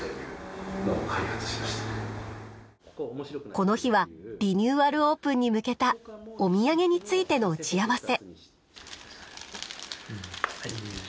この日はリニューアルオープンに向けたお土産についての打ち合わせ。